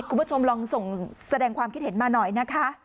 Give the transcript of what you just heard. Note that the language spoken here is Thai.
คุณผู้ชมลองส่งแสดงความคิดเห็นมาหน่อยนะคะ